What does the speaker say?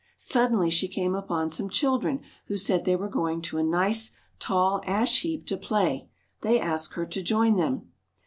Suddenly she came upon some children who said they were going to a nice, tall ash heap to play. They asked her to join them.